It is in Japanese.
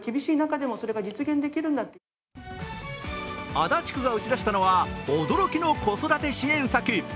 足立区が打ち出したのは驚きの子育て支援策。